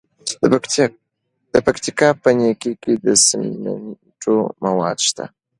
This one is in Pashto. د پکتیکا په نکې کې د سمنټو مواد شته.